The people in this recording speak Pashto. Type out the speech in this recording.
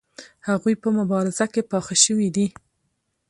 هغوی په مبارزه کې پاخه شوي دي.